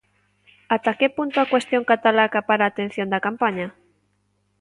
Até que punto a cuestión catalá acapara a atención da campaña?